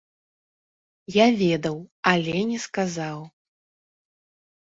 Я ведаў, але не сказаў!